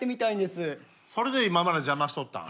それで今まで邪魔しとったん。